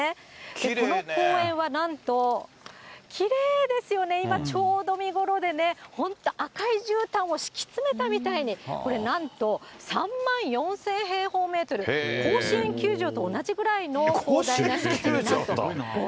この公園はなんと、きれいですよね、今ちょうど見頃でね、本当、赤いじゅうたんを敷き詰めたみたいに、これなんと３万４０００平方メートル、甲子園球場と同じぐらいの広大な敷地だと。